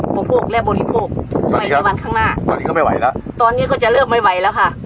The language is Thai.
อุปโภคและบริโภคใหม่ในวันข้างหน้าตอนนี้ก็ไม่ไหวแล้วตอนนี้ก็จะเลือกไม่ไหวแล้วค่ะ